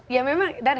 ya memang itu terjadi